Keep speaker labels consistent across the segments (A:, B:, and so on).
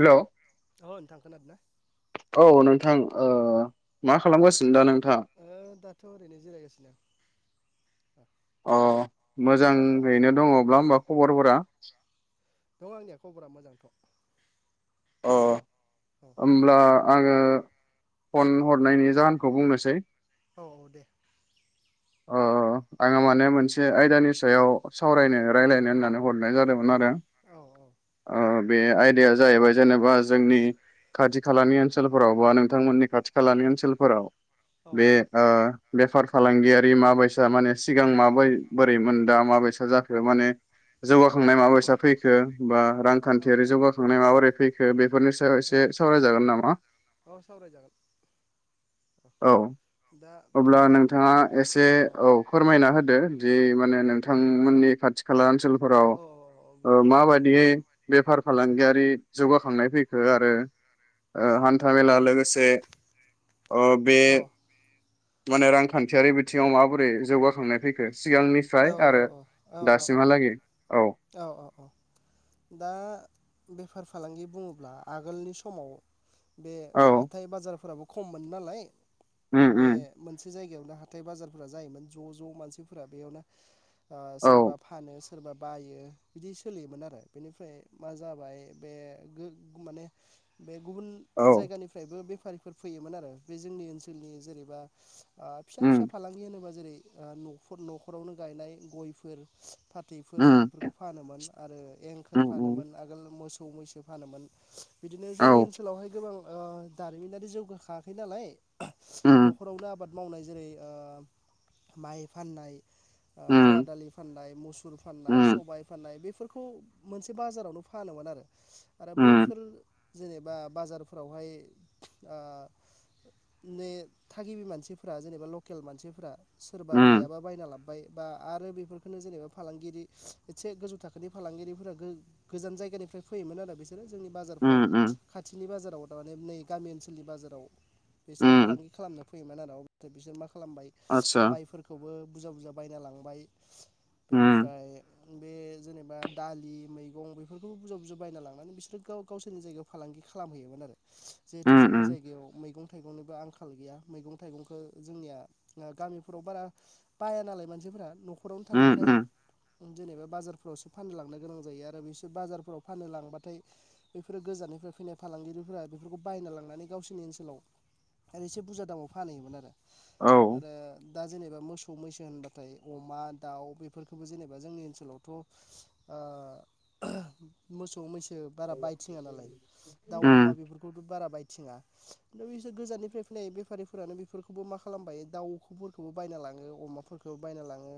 A: हेल'
B: अ नोंथां खोनादों ना?
A: औ नोंथां ओ, मा खालामगासिनो दा नों
B: ओ दाथ' ओरैनो जिरायगासिनो आं
A: अ
B: नोंथाङा मा
A: मोजाङैनो
B: खालामगासिनो
A: दङब्ला होमबा खबरफोरा?
B: दं आंनिया खबरा मोजांथ'।
A: अह
B: औ
A: होमब्ला आङो फन हरनायनि जाहोनखौ बुंनोसै
B: औ औ दे
A: ओ आङो माने मोनसे आयदानि सायाव सावरायनो रायज्लायनो होननानै हरनाय जादोंमोन आरो
B: औ औ
A: अह बे आयदाया जाहैबाय जेनेबा जोंनि खाथि खालानि ओनसोलफोराव बा नोंथांमोननि खाथि खालानि ओनसोलफोराव
B: औ
A: बे ओ बेफार फालांगिया बै माबायसा माने सिगां माबै बोरै मोन दा माबायसा जाखो माने जौगा खांनाय माबै फैखो बा
B: औ
A: रांखान्थियारि जौगाखांनाय माबोरै फै खो बे फोरनिनि सायाव
B: औ
A: एसे सावराय जागोन नामा?
B: औ सावरायजागोन
A: औ
B: दा
A: अब्ला
B: देलाय औ
A: नोंथाङा एसे औ फोरमायना होदो जि माने नोंथांमोन नि खाथि खाला ओनसोल फोराव
B: औ औ
A: ओ
B: बुंनि औ
A: माबायदियै बेफार फालांगियारि जौगाखांनाय फैखो आरो ओ हान्था मेला लोगो से अ बे
B: औ
A: माने रांखान्थियारि बि‌ थिङाव माबोरै जौगाखांनाय फैखो सिगांनिफ्राय
B: औ
A: आरो
B: औ औ औ औ औ औ औ औ दा बे फार फालांगि बुङोब्ला आगोलनि समाव बे
A: औ
B: हाथाय बाजारफोराबो खममोन नालाय
A: उम
B: बे
A: उम
B: मोनसे जायगायाव हाथाय बाजारफोरा जायोमोन ज' ज' मानसिफोरा बेयावनो ओ
A: औ
B: सोरबा फानो सोरबा बायो बिदि सोलियोमोन आरो। बेनिफ्राय मा जाबाय बे गो खौ माने बे गुबुन
A: औ
B: जायगानिफ्रायबो बे फारिफोर फैयोमोन आरो बे जोंनि ओनसोलनि जेनेबा ओ फिसा फिसा
A: उम
B: फालांगि होनोबा जेरै ओ नखर न खरावनो गायनाय गयफोर फाथैफोर
A: उम
B: बेफोरखौ फानोमोन। आरो एंखोर
A: उम उम
B: फानोमोन आगोल मो सौ मैसो फानोमोन। बिदिनो
A: औ
B: जोंनि ओनसोलावहाय गोबां ओ दारिमिनारि जौगाखाङाखै नालाय
A: उम
B: नखरावनो आबाद मावनाय जेरै ओ माइ फाननाय ओ खाला
A: उम
B: दालि फाननाय, मुसुर फाननाय,
A: उम
B: सबाय फाननाय बे फोरखौ मोनसे बाजारावनो फानोमोन आरो। आरो
A: उम
B: बैफोर जेनेबा बाजारफोरावहाय ओ ने थागिबि मानसिफोरा जेनेबा लकेल मानसिफोरा सोरबा
A: उम
B: गैयाबा बायना ला बाय आरो बेनो जेनेबा फालांगिरि एसे गोजौ थाखोनि फालांगिरि गोजान जायगानिफ्राय फैयोन आरो बि सोरो जोंनि बाजारफोराव
A: उम उम
B: खाथिनि बाजा आव थारमाने नै गामि ओनसोलनि बाजाराव बिसोरो
A: उम
B: फालांगि खालामनो फैयोमोन आरो अब्ला बिसोर मा खालामबाय
A: आतसा
B: माइफोरखौबो बुरजा बुरजा बायना लांबाय
A: उम
B: बेनिफ्राय बे जेनेबा दालि मैगं बेफोरखौ बुरजा बुरजा बायना लांनानै बिसोरो गाव गावसोरनि जायगायाव फालांगि खालामहैयोमोन आरो जिहेथु
A: उम
B: जोंनि
A: उम
B: जायगायाव मैगं थाइगंनिबो आंखाल गैया मैगं थाइगंखौ जोंनिया गामिफोराव बारा बाया नालाय मानसिफोरा न'ख खरावनो
A: उम
B: थानायखाय
A: उम
B: जेनेबा बाजारफोरावसो फाननो लांनो गोनां जायो आरो बिसोर बाजारफोराव फाननो लांबाथाय बेफोरो गोजाननिफ्राय फैनाय फालांगिरिफोरा बेफोरखौ बायना लांनानै गावसोरनि ओनसोलाव आरो एसे बुरजा दामाव फानहैयोमोन आरो
A: औ
B: आरो दा जेनेबा मोसौ मैसो होनबा थाय अमा दाउ बेफोरखौबो जेनेबा जोंनि ओनसोलावथ' आ मोसौ मैसो बारा बायथिङा नालाय दाउ अमा
A: उम
B: बेफोरखौथ' बारा बाय बिथिङा बिसोर गोजाननिफ्राय फैनाय बेफारिफोरानो बेफोरखौबो मा खालामबायो दाउ अखौफोरखौबो बायना लाङो अमाफोर खौ‌ बायना लाङो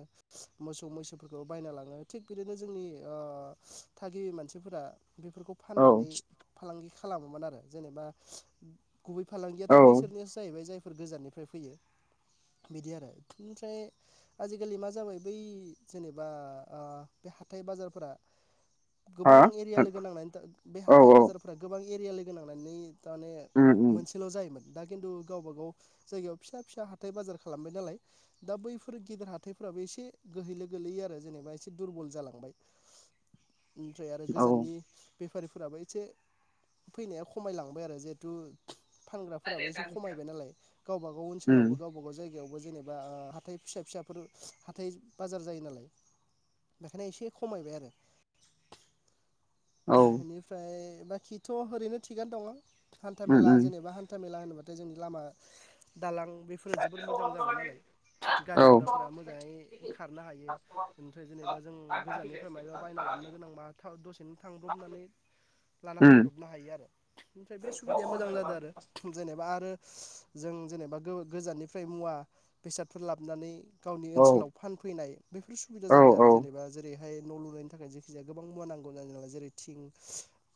B: मोसौ मैसोफोरखौ बायना लाङो थिग बिदिनो जोंनि ओ थागिबि मानसिफोरा बेफोरखौ
A: औ
B: फाननानै फालांगि खालामोमोन आरो जेनेबा गुबै फालांगियाथ'
A: औ
B: बैसोरनियासो जाहैबाय जाय फोर गोजाननिफ्राय फैयो बिदि आरो ओमफ्राय आजिखालि मा जाबाय बै जेनेबा ओ बे हाथाय बाजारफोरा गोबां
A: हा
B: एरिया लोगो नांनानै बे
A: औ
B: हाथाय
A: औ
B: बाजारफोरा गोबां एरिया लोगो नांनानै थारमाने
A: उम उम
B: मोनसेल' जायोमोन दा खिन्थु गावबा गाव जायगायाव फिसा फिसा हाथाय बाजार खालामबाय नालाय दा बै फोर गेदेर हााइफोराबो एसे गोहैलो गोलैयो आरो जेनेबा एसे दुरबल जालांबाय ओमफ्राय आरो
A: औ
B: गोजाननि बेफारिफोराबो एसे फैनाया खमायलांबाय आरो जिहेथु फानग्राफोराबो एसे खमायबाय नालाय गावबागाव ओनसोलावबो
A: उम
B: गावबा गाव जाय यावबो जेनेबा हाथाय फिसा फिसाफोर हाथाय बाजार जायो नालाय बेखायनो एसे खमायबाय आरो
A: औ
B: बेनिफ्राय बाखिथ' ओरैनो थिगानो दङ? हान्था
A: उम
B: मेला
A: उम
B: जेनेबा हान्था मेला [unintelligible] थाय जोंनि लामा दालां बेफोरा जोबोर मोजां जाबाय नालाय
A: औ
B: गारि गुराफोरा मोजाङै खारनो हायो ओमफ्राय जेनेबा जों गोजाननिफ्राय मायबा बायना लाबोनो गोनां बा थाब दसेनो लाब्रबनानै लाना
A: उम
B: फैब्रनो हायो आरो ओमफ्राय बे सुबिदाया मोजां जादों आरो जेने बा आरो जों जेनेबा गोजाननिफ्राय मुवा बेसादफोर लाबोनानै गावनि
A: औ
B: ओनसोलाव फानफैनाय बेफोर सुबिदा
A: औ
B: जादों आरो जेनेबा जेरैहाय न' लुनायनि थाखाय जेखिजाया गोबां मुवा नांगौ [unintelligible] जेरै थिं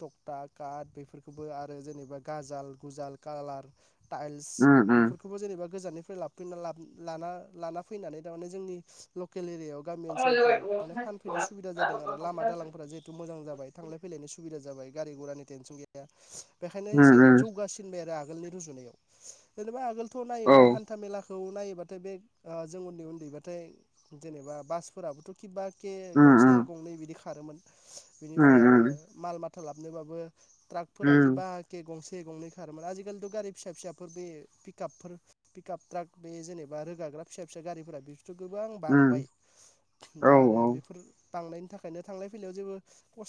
B: थक्था काट बेफोरखौबो आरो जेनेबा गाजाल गुजाल कालार टाइल्स
A: उम उम
B: बेफोरखौबो जेनेबा गोजाननि लाबफिनना लाब लाना-लाना फैनानै तामाने जोंनि लकेलि जायाव गामि ओनसोलफ्राव माने फानफैनो सुबिदा जादों आरो लामा दालांफोरा जिहेतु मोजां जाबाय। फैलायनाय सुबिदा जाबाय गारि गुरानि टेनसन गैया। बेखायनो
A: उम
B: एसे
A: उम
B: जौगासिनबाय आरो आग आगोलनि रुजुनायाव जेनेबा आगोल थ'
A: औ
B: नायोबा हान्था मेला खौ नायोबाथाय बे ओ जों उन्दै उन्दैबाथाय जेनेबा बासफोराबोथ' खि बा एखे
A: उम
B: गंसे गंनै बिदि खा खारोमोन। आरो
A: उम
B: माल मा था लाबनोबाबो
A: उम
B: ट्राकफोरा खिबा के गंसे। गंसे गंनै खारोमोन आजिखालिथ' गारि फिसा फिसाफोर बे पिकापफोर पिकआप ट्राक बे जेनेबा रोगाग्रा फिसा फिसा गारिफोरा बे गोबां
A: उम
B: बांबाय
A: औ
B: दा आरो बेफोर बांनायनि थाखायनो थांलाय फैलायाव जेबो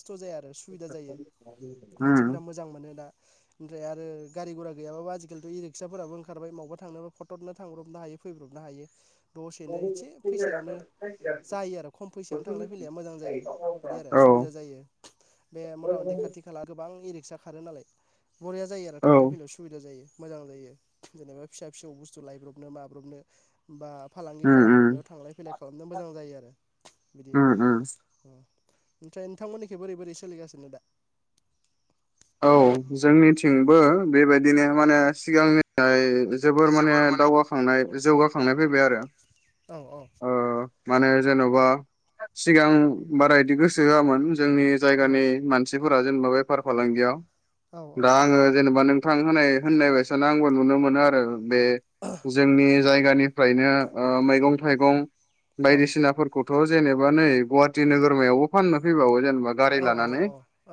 B: खस्थ' जाया आरो सुबिदा जायो
A: उम
B: मानसिफोरा मोजां मोनो दा। ओमफ्राय आरो गारि गुरा गैयाबाबो आजिखालि इ रिक्साफोराबो ओंखारबाय मौबा थांनोबा फट'टनो थांब्रबनो हायो फैब्रबनो हायो।
A: औ
B: दसेनो एसे फैसायावनो जायो आरो खम फैसायावनो
A: उम
B: थांलाय फैलाया मोजां जायो बिदि आरो सुबिदा जायो। बे मथा मथि खाथि खाला गोबां इरि फैसा खारो नालाय। बरिया जायो आरो थांलाय फैलाय सुबिदा जायो। मोजां जायो जेनेबा फिसा फिसौ बुस्थु लायब्रबनो माब्रबनो बा फालांगि
A: उम
B: खालामब्रबनायाव थांलाय फैलाय खालामनो मोजां जायो आरो बिदि
A: उम उम
B: ओ ओमफ्राय नोंथांमोननि बोरै - बोरै सोलिगासिनो दा?
A: औ जोंनिथिंबो बेबायदिनो माने सिगांनिफ्राय जोबोर माने दावगाखांनाय जो जौगाखांनाय फैबाय आरो।
B: औ - औ।
A: ओ माने जेन'बा सिगां बारा इदि गोसो होआमोन। जोंनि
B: औ
A: जायगानि मानसि फोरा जेनबा बेफार फालांगि याव
B: औ
A: दा
B: औ
A: आंङो जेनेबा नों बिथां होनाय होननाय बायसानो आंबो नुनो मोनो आरो बे जोंनि जायगा गानिफ्रायनो ओ मैगं थाइगं
B: औ
A: बायदिसिनाफोरखौ थ' जेनेबा नै गुवाहाटि नोगोरमायावबो फाननो फैबावो जेने बा
B: औ
A: गारि लानानै
B: औ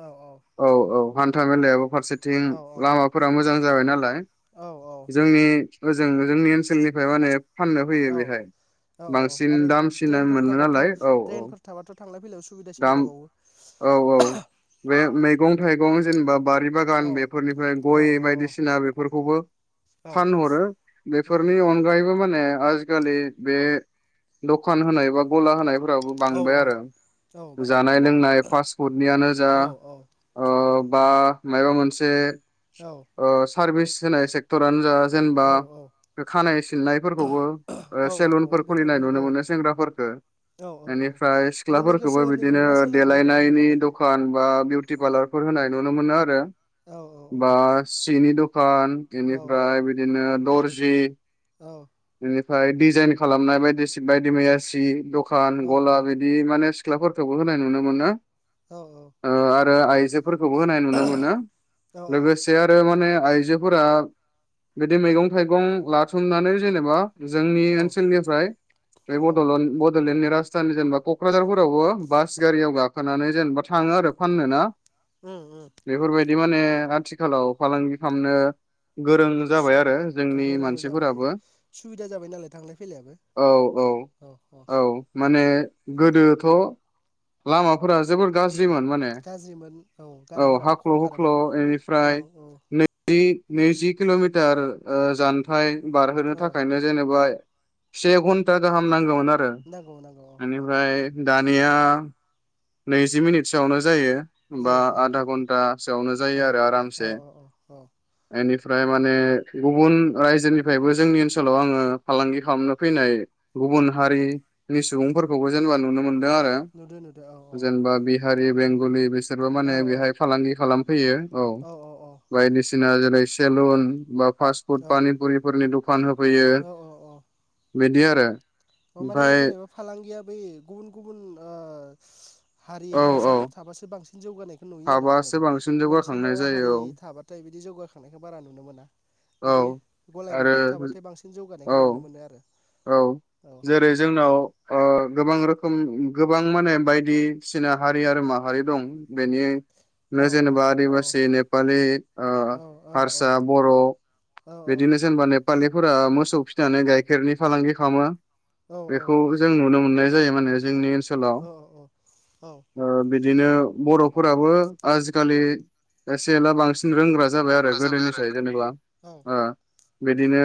A: औ औ हान्था मेलायाव फारसेथिं
B: औ
A: लामाफोरा मोजां जाबाय नालाय
B: औ
A: जोंनि ओजों जोंनि ओनसोलनिफ्राय माने फाननो
B: औ
A: फैयो बेहाय
B: औ
A: बांसिन
B: आरो
A: दामसिन
B: ट्रेनफोर
A: मोनो
B: थाबाथ'
A: नालाय औ औ
B: ट्रेनफोर थाबाथ' थांलाय फैलायाव सुबिदासिन
A: दाम
B: जाबावो
A: औ औ बे
B: औ
A: मैगं थाइगं जेनेबा बारि
B: औ
A: बागान बेफोरनिफ्राय
B: औ
A: गय बायदिसिना बेफो फोरखौबो
B: औ
A: फानहरो बेफोरनि अनगायैबो माने आजिखालि बे दखान होनाय बा गला होनाय फोरावबो
B: औ
A: बांबाय
B: औ
A: आरो
B: औ बांबाय
A: जानाय
B: बांबाय
A: लोंनाय फासफोटनियानो जा
B: औ औ
A: ओ बा मायबा मोनसे
B: औ
A: सारभिस होनाय सेक्टरानो जा जेनेबा
B: औ
A: खानाय सिननायफोरखौबो ओ
B: औ औ औ
A: सेलुनफोर खुलिनाय
B: बेफोरबो
A: नुनो
B: औ
A: मोनो सेंग्राफोरखौ
B: औ औ
A: बेनिफ्राय
B: माने नोगोर
A: सिख्लाफोरखौबो
B: सोहोरनिखौ
A: बिदिनो
B: नुना सोलोंबाय आरो
A: देलायनायनि
B: बुहुदानो
A: दखान बा बिउटि
B: औ
A: पारलार फोर होनाय नुनो मोनो आरो।
B: औ औ औ
A: बा सिनि दख खान
B: औ
A: एनिफ्राय बिदिनो दरजि
B: औ
A: फाय दिजायन खालामनाय बायदि सिख बायदि मैयासि सि द खान
B: औ
A: गला बिदि माने सि ख्लाफोरखौबो होनाय नुनो मोनो।
B: औ
A: ओ आरो आयजो खौ होनाय नुनो मोनो।
B: औ
A: लोगोसे आरो थार माने आइजोफोरा बिदि मैगं थाइगं लाथुमनानै जेनेबा जोंनि
B: औ
A: ओनसोलनिफ्राय बे
B: औ
A: बड'ल'न बड'लेण्डनि राज सिथानि जेनबा क'क्राझारफोरावबो बास गारियाव गाखोनानै जेनेबा थाङो आरो फाननो ना?
B: उम उम
A: दि माने आथिखालाव फालांगि खामनो गोरों
B: उम
A: जाबाय आरो
B: औ
A: जोंनि
B: गोरोंबो जाबाय
A: मानसिफोराबो
B: सुबिदा जाबाय नालाय थांलाय फैलायाबो
A: औ औ औ माने गोदोथ' लामाफोरा जोबोर गाज ‌जि मोन माने
B: गाज्रिमोन
A: औ
B: गारिफोराबो खम
A: हाख्ल' हुख्ल'
B: खारोमोन औ
A: एनिफ्राय
B: औ
A: नैजि नैजि किल'मिटार ओ जानथाइ बारहोनो
B: औ
A: थाखायनो जेनेबा से घन्टा गाहामनांगौमोन। मोन आरो
B: नांगौ नांगौ औ औ
A: एनिफ्राय दानिया नैजि मिनिटसोआवनो जायो। बा
B: जायो जायो
A: आदा
B: औ
A: घन्टासोआवनो जायो आरो
B: औ
A: आरामसे
B: औ औ औ
A: एनिफ फ्राय माने गुबुन रायजोनिफायबो जोंनि ओनसोलाव आङो फालांगि खालामनो फैनाय गुबुन हारिनि सुबुंफोरखौबो जेनेबा नुनो मोन
B: नुदो नुदो आ
A: जेनेबा बि हारि बेंगलि बिस सोरबो माने
B: औ औ
A: बेहाय फालांगि खालामफैयो औ बायदिसिना [unintelligible] लाय सेेलन बा फासु पुत
B: औ
A: पानिपुरिफोरनि द फान होफैयो।
B: औ औ औ
A: बिदि आरो।
B: माने
A: ओमफाय
B: जेनेबा फालांगिया बै गुबुन गुबुन ओ। हारि
A: औ औ
B: हारिसाफोर थाबासो बांसिन जौगानायखौ नुयो आरो
A: हाबासो
B: जेनेबा
A: बांसिन
B: मोनसेल'
A: जौगाखांनाय
B: हारि
A: जायो
B: थाबाथाय बिदि जौगाखांनायखौ बारा नुनो मोना
A: औ
B: बिदि गलाय
A: आरो
B: मोनदेर थाबाथाय बांसिन जौगानायखौ नुनो
A: औ
B: मोनो आरो।
A: औ।
B: औ
A: जेरै जोंनाव ओ गोबां रोखोम। रोखोम गोबां माने बायदिसिना हारि आरो माहारि दं बेनि।
B: औ
A: जेनेबा आदिबासि नेपालि
B: औ औ औ
A: हारसा बर'
B: औ
A: बिदिनो जेनेबा ने फालिफोरा मोसौ फिनानै गाइखेरनि फालांगि खालामो। बेखौ जों नुनो मोननाय जायो माने जोंनि। ओनसोलाव ओ बिदिनो बर'फोराबो आजिखालि एसे एला बांसिन रोंग्रा जाबाय आरो गोदोनिसाय जेनेबा ओ। बिदिनो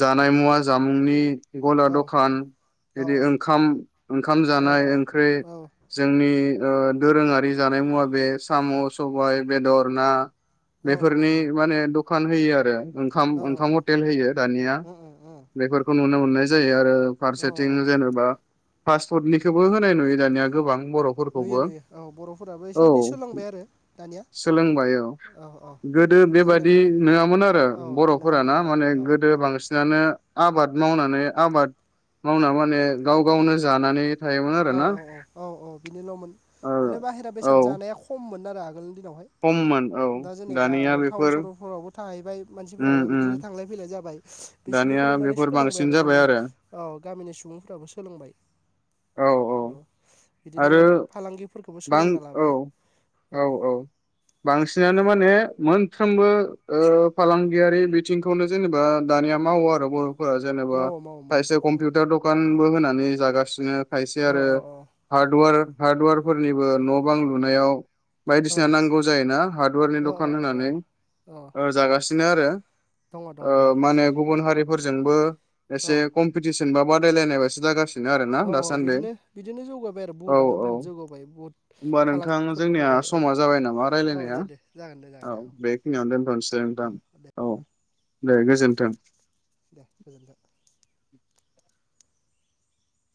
A: जानाय मुवा जामुंनि गला दखान बिदि ओंखाम ओंखाम जानाय ओंख्रि जोंनि ओ दोरोङारि जानाय मुवा बे साम' सबाय बेदर ना बेफोरनि माने द! दखान होयो आरो। ओंखाम
B: औ औ
A: ओंखाम हटेल होयो दानिया बेफोरखौ नुनो मोनो। मोननाय जायो आरो। आरो फारसेथिं
B: औ
A: जेनेबा पासपर्टनिखौबो होनाय नुयो दानिया गोबां बर'फोरखौबो
B: नुयो नुयो औ बर'फोराबो
A: औ
B: एसे एनै सोलोंबाय आरो दानिया
A: सोलोंबाय औ गोदो
B: माने
A: बेबाददि
B: जेनेबा
A: नङामोन आरो
B: औ नङामोन
A: बर'फोराना
B: नङामोन
A: माने
B: औ
A: गोदो
B: औ
A: बांसिनानो आबाद मावनो। नै आबाद मावना माने गाव गावनो जानानै थायोमोन
B: औ
A: आरोना
B: औ औ औ औ बिनिल'मोन
A: ओ
B: माने बाहेरा
A: औ
B: बेसाद जानाया खममोन [unintelligible] दिनावहाय
A: खममोन औ
B: दा जेनेबा
A: दानिया
B: अ
A: बेफोर
B: टाउन सहफोराव थाहैबाय
A: उम
B: मानसिफोराबो
A: उम
B: बिदिनो थांलाय फैलाय जाबाय
A: दानिया
B: बिसोरनिखौ नुनानै
A: बेफोर
B: सोलोंबाय
A: बांसिन
B: आरो
A: जाबाय
B: जोंनि औ गामिनि सुबुंफ्राबो सोलोंबाय। औ बिदिनो
A: आरो
B: फालांगिफोरखौबो
A: बां
B: सोलोंना
A: औ
B: लाबाय अ
A: औ औ बांसिन नो माने मोनफ्रोमबो फालांगियारि बिथिंखौनो जेनेबा दानिया मावो आरो बर' फोरा जेनेबा
B: मावो मावो मावो
A: सायसे कमपिउटार दकान नबो होनानै जागासिनो खायसे
B: औ
A: आरो।
B: औ
A: हार्डवर हार्डवेरफोरनिबो न' बां लुनायाव
B: औ
A: बायदिसिना नांगौ जायोना हार्डवेरनि
B: औ
A: दखान
B: औ औ
A: होनानै
B: औ
A: ओ जागासिनो। सिनो आरो।
B: दङ दङ औ
A: ओ माने
B: बिदि
A: गुबुन हारिफोर। जोंबो।
B: औ
A: एसे कम्पिटिसन जेनबा बादायनायस जागासिनो। नो आरो ना
B: औ औ
A: दासान्दि।
B: बिदिनो बिदिनो जौगाबाय आरो
A: औ औ
B: बुहुदआनो बुहुद जौगाबाय बुहुद
A: होनोमबा नोंथां
B: फालांगिफोरबो
A: जोंनिया
B: होबाय औ
A: समा जाबाय नामा
B: औ
A: रायज्लायनाया
B: दे दे जागोन दे जागोन
A: औ
B: दे
A: बेखिनियावनो दोनथ'नोसै
B: औ
A: नोंथां
B: दे
A: औ दे गोजोन्थों।
B: दे गोजोनथों।